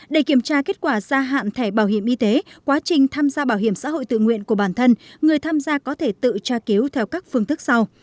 để kiểm tra kết quả gia hạn thẻ bảo hiểm y tế quá trình tham gia bảo hiểm xã hội tự nguyện của bản thân người tham gia có thể tự tra cứu theo các phương thức sau